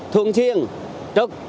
thường xuyên trực